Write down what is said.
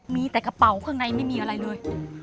มีแต่กระเป๋าข้างในไม่มีอะไรเลย